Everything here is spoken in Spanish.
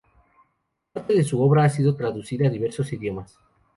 Parte de su obra ha sido traducida a diversos idiomas.